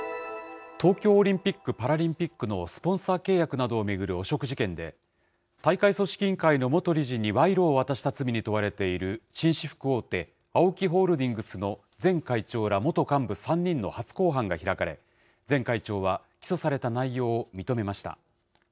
東京オリンピック・パラリンピックのスポンサー契約などを巡る汚職事件で、大会組織委員会の元理事に賄賂を渡した罪に問われている紳士服大手、ＡＯＫＩホールディングスの前会長ら、元幹部３人の初公判が開かれ、前会長は起訴された内容を認めました。